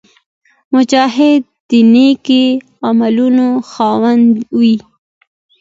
مجاهد د نېک عملونو خاوند وي.